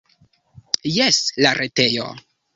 Jes, la retejo.